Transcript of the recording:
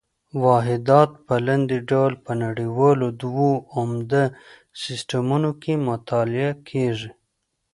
واحدات په لاندې ډول په نړیوالو دوو عمده سیسټمونو کې مطالعه کېږي.